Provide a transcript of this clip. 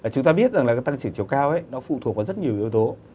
chúng ta biết rằng tăng chiều cao nó phụ thuộc vào rất nhiều yếu tố